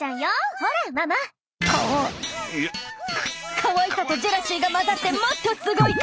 かわいさとジェラシーがまざってもっとすごい顔！